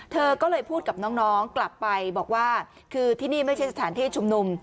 เธอก็เลยพูดกับน้องกลับไปบอกว่าคือที่นี่ไม่ใช่สถานที่ชุมนุม